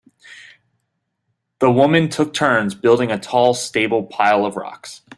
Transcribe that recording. The women took turns building a tall stable pile of rocks.